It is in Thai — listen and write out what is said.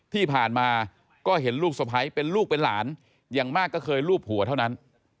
ที่ผ่านมาก็เห็นลูกสะพ้ายเป็นลูกเป็นหลานอย่างมากก็เคยรูปหัวเท่านั้น